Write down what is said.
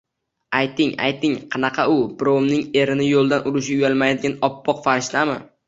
-Ayting-ayting, qanaqa u? Birovning erini yo’ldan urishga uyalmaydigan oppoq farishtami?